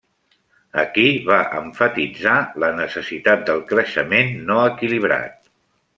Aquí va emfatitzar la necessitat del creixement no equilibrat.